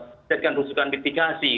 mencari kursukan mitigasi